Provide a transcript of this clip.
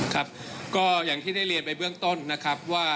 ครับก็อย่างที่ได้เรียนไปเบื้องต้นนะครับว่า